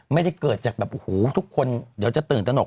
ไม่ได้เกิดจากแบบโอ้โหทุกคนเดี๋ยวจะตื่นตนก